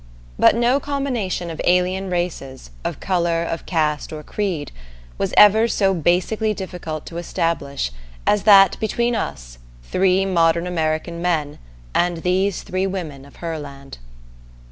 But no combination of alien races, of color, of caste, or creed, was ever so basically difficult to establish as that between us, three modern American men, and these three women of Herland.